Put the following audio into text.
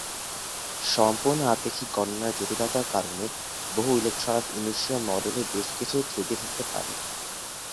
সম্পূর্ণ-আপেক্ষিক গণনার জটিলতার কারণে বহু-ইলেক্ট্রন এব-ইনিশিও মডেলে বেশ কিছু ত্রুটি থাকতে পারে।